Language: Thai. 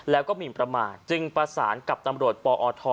แล้วก็หมินประมาทจึงประสานกับตำรวจปอท